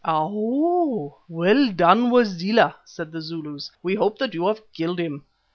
"Ow! Well done, Wazela!" said the Zulus, "we hope that you have killed him."